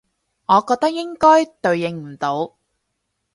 我覺得應該對應唔到